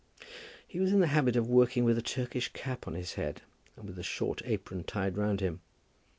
He was in the habit of working with a Turkish cap on his head, and with a short apron tied round him.